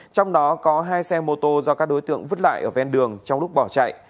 trong đó có hai xe mô tô do các đối tượng vứt lại ở ven đường trong lúc bỏ chạy